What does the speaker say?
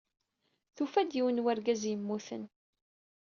Tufa-d yiwen n wergaz yemmuten.